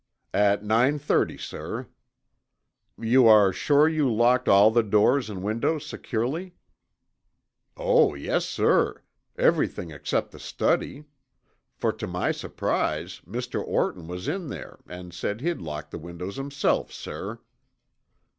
"At nine thirty, sir." "You are sure you locked all the doors and windows securely?" "Oh, yes, sir, everything except the study, for to my surprise Mr. Orton was in there and said he'd lock the windows himself, sir."